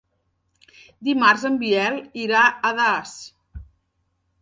Dimarts en Biel irà a Das.